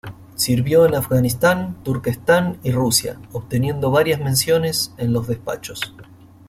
Sirvió en Afganistán, Turquestán y Rusia, obteniendo varias menciones en los despachos.